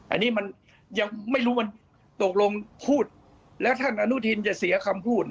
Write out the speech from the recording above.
อันนี้มันยังไม่รู้มันตกลงพูดแล้วท่านอนุทินจะเสียคำพูด